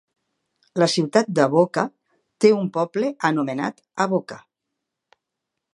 La Ciutat d'Avoca té un poble anomenat Avoca.